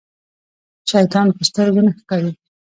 شيطان په سترګو نه ښکاري.